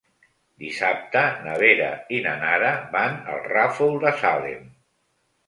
Dissabte na Vera i na Nara van al Ràfol de Salem.